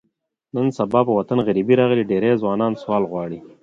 نن سبا په وطن غریبي راغلې، ډېری ځوانان سوال غواړي.